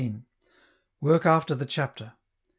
Work after the Chapter.